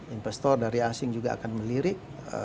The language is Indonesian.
investor dari asing juga akan melirik